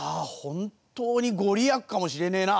本当に御利益かもしれねえな。